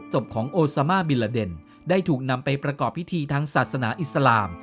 ศพของโอซามาบิลลาเดนได้ถูกนำไปประกอบพิธีทางศาสนาอิสลาม